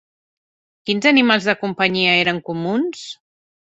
Quins animals de companyia eren comuns?